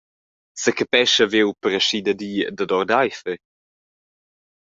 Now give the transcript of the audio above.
Secapescha viu per aschidadir dad ordeifer.